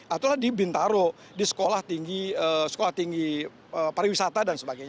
atau di bintaro di sekolah tinggi pariwisata dan sebagainya